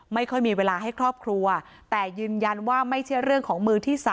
ไม่ค่อยมีเวลาให้ครอบครัวแต่ยืนยันว่าไม่ใช่เรื่องของมือที่๓